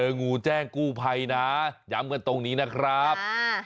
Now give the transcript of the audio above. งูแจ้งกู้ภัยนะย้ำกันตรงนี้นะครับ